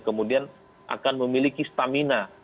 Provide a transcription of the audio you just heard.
kemudian akan memiliki stamina